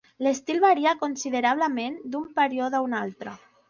L'estil varia considerablement d'un període a un altre.